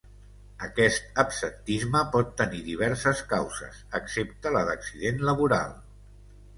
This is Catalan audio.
Aquest absentisme pot tenir diverses causes, excepte la d'accident laboral.